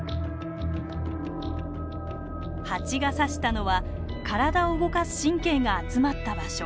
ハチが刺したのは体を動かす神経が集まった場所。